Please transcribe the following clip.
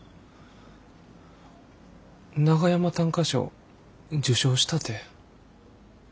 長山短歌賞受賞したて。